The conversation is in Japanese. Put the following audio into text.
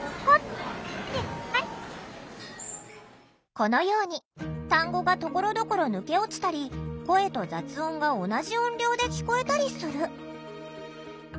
このように単語がところどころ抜け落ちたり声と雑音が同じ音量で聞こえたりする。